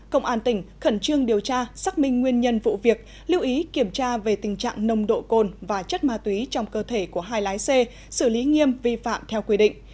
công an tỉnh khẩn trương điều tra xác minh nguyên nhân vụ việc lưu ý kiểm tra về tình trạng nồng độ cồn và chất ma túy trong cơ thể của hai lái xe xử lý nghiêm vi phạm theo quy định